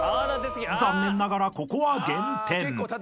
［残念ながらここは減点］